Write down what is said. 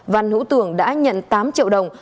văn hữu tường đã nhận tám triệu đồng